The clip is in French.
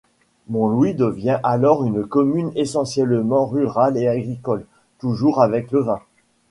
Montlouis devient alors une commune essentiellement rurale et agricole, toujours avec le vin.